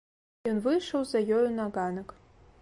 Ён выйшаў за ёю на ганак.